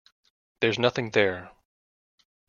There's nothing there.